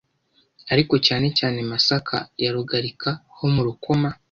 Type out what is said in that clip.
ariko cyane cyane Masaka ya Rugarika ho mu Rukoma